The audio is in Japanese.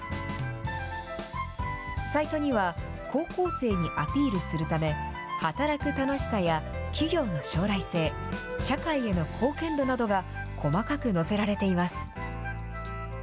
サイトには、高校生にアピールするため、働く楽しさや企業の将来性、社会への貢献度などが細かく載せられています。